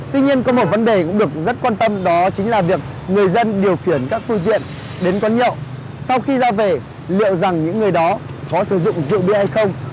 tuy nhiên có một vấn đề cũng được rất quan tâm đó chính là việc người dân điều khiển các phương tiện đến quán nhậu sau khi ra về liệu rằng những người đó có sử dụng rượu bia hay không